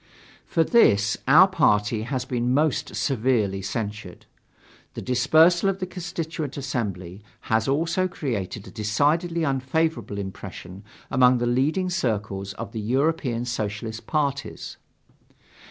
For this, our party has been most severely censured. The dispersal of the Constituent Assembly has also created a decidedly unfavorable impression among the leading circles of the European Socialist parties.